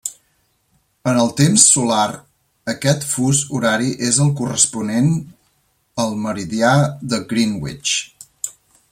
En el temps solar aquest fus horari és el corresponent el meridià de Greenwich.